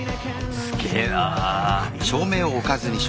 すげえな。